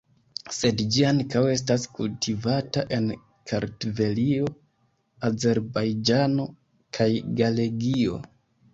Sed ĝi ankaŭ estas kultivata en Kartvelio, Azerbajĝano kaj Galegio.